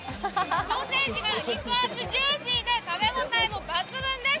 ソーセージが肉厚ジューシーで食べ応えも抜群です。